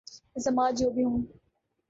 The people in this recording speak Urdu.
الزامات جو بھی ہوں۔